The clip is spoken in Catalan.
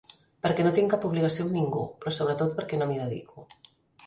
Perquè no tinc cap obligació amb ningú, però sobretot perquè no m’hi dedico.